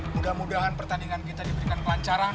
mudah mudahan pertandingan kita diberikan kelancaran